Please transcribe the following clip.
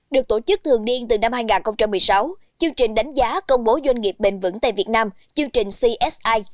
được tổ chức thường niên từ năm hai nghìn một mươi sáu chương trình đánh giá công bố doanh nghiệp bền vững tại việt nam chương trình csi